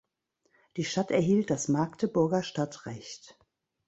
Die Stadt erhielt das Magdeburger Stadtrecht.